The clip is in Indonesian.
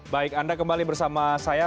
baik anda kembali bersama saya